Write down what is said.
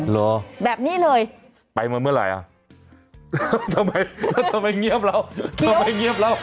เหรอแบบนี้เลยไปมาเมื่อไหร่อ่ะทำไมทำไมเงียบแล้วทำไมเงียบแล้ว